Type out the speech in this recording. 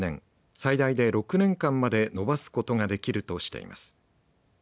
最大で６年間まで延ばすことができるとしています。